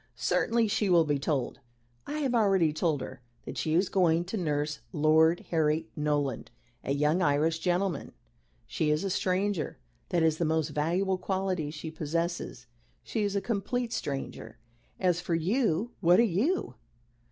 "Certainly. She will be told I have already told her that she is going to nurse Lord Harry Norland, a young Irish gentleman. She is a stranger. That is the most valuable quality she possesses. She is a complete stranger. As for you, what are you?